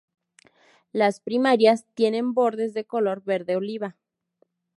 Las primarias tienen bordes de color verde oliva.